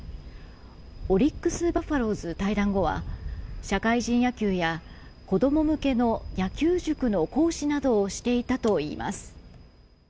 オリックス・バファローズを退団後は社会人野球や子供向けの野球塾の講師などをしていたといいます。